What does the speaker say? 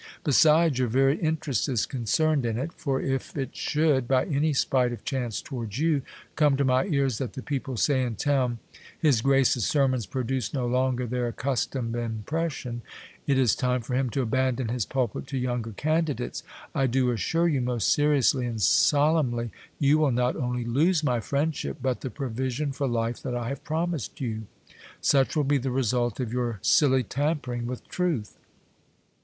Besides, your very interest is concerned in it, for if it should, by any spite of chance towards you, come to my ears that the people say in town, " His grace's sermons produce no longer their accustomed impression, it is time for him to abandon his pulpit to younger candidates," I do assure you most seriously and solemnly, you will not only lose my friendship, but the provision for life that I have promised you. Such will be the result of your silly tampering with truth.